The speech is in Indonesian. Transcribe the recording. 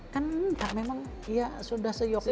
kan memang sudah seyok yok